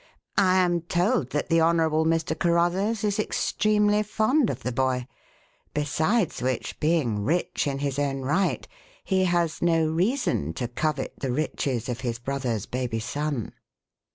"I am told that the Honourable Mr. Carruthers is extremely fond of the boy; besides which, being rich in his own right, he has no reason to covet the riches of his brother's baby son."